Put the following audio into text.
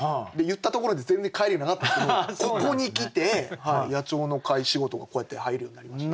言ったところで全然返りなかったんですけどここに来て野鳥の会仕事がこうやって入るようになりました。